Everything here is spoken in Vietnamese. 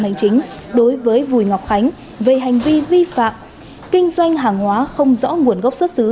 hành chính đối với vùi ngọc khánh về hành vi vi phạm kinh doanh hàng hóa không rõ nguồn gốc xuất xứ